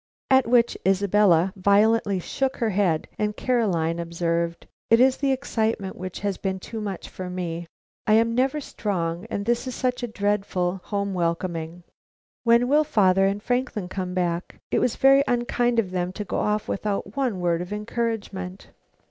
At which Isabella violently shook her head and Caroline observed: "It is the excitement which has been too much for me. I am never strong, and this is such a dreadful home welcoming. When will father and Franklin come back? It was very unkind of them to go off without one word of encouragement."